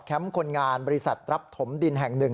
คนงานบริษัทรับถมดินแห่งหนึ่ง